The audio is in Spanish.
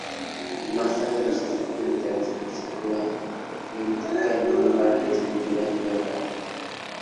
Más tarde, los egipcios utilizaron la escritura hierática en lugar de la escritura jeroglífica.